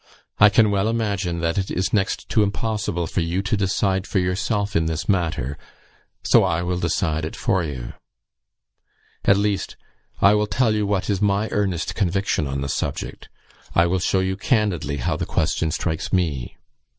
I can well imagine, that it is next to impossible for you to decide for yourself in this matter, so I will decide it for you. At least, I will tell you what is my earnest conviction on the subject; I will show you candidly how the question strikes me.